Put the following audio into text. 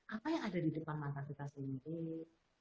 apa yang ada di depan mata kita sendiri